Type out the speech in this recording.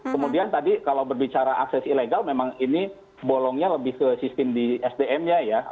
kemudian tadi kalau berbicara akses ilegal memang ini bolongnya lebih ke sistem di sdm nya ya